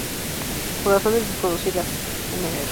Por razones desconocidas, Mr.